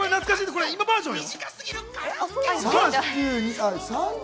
これは今バージョンよ。